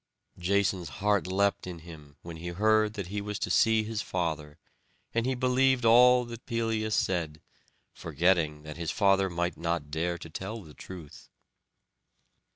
Jason's heart leapt in him, when he heard that he was to see his father; and he believed all that Pelias said, forgetting that his father might not dare to tell the truth.